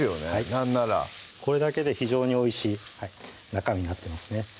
なんならこれだけで非常においしい中身になってますね